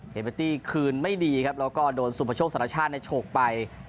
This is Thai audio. เฮบแอตตี้คืนไม่ดีครับแล้วก็โดนสุโปร์โชคสัตว์ชาติในโชคไป